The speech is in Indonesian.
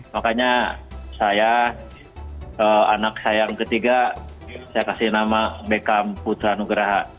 makanya saya anak sayang ketiga saya kasih nama beckham putra nugraha